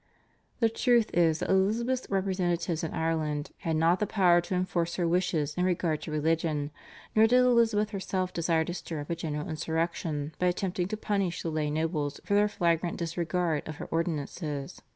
The truth is that Elizabeth's representatives in Ireland had not the power to enforce her wishes in regard to religion, nor did Elizabeth herself desire to stir up a general insurrection by attempting to punish the lay nobles for their flagrant disregard of her ordinances.